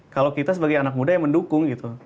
kalau kita sebagai anak muda yang mendukung gitu